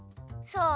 そう。